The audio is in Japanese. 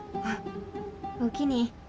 あっおおきに。